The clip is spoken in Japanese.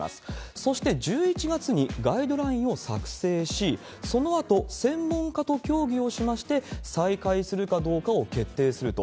そして１１月にガイドラインを作成し、そのあと専門家と協議をしまして、再開するかどうかを決定すると。